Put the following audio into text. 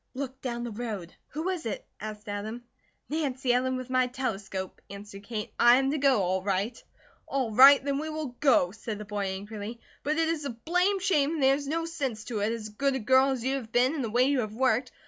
Look down the road." "Who is it?" asked Adam. "Nancy Ellen, with my telescope," answered Kate. "I am to go, all right." "All right, then we will go," said the boy, angrily. "But it is a blame shame and there is no sense to it, as good a girl as you have been, and the way you have worked.